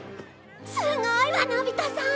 すごいわのび太さん！